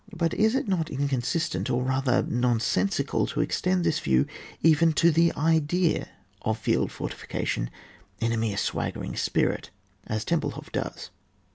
But is it not inconsis tent, or rather nonsensical, to extend this view even to the idea of field fortification^ in a mere swaggering spirit (as Temple hof does)